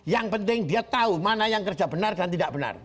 yang penting dia tahu mana yang kerja benar dan tidak benar